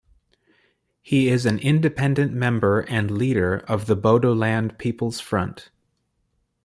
He is an Independent member and leader of the Bodoland People's Front.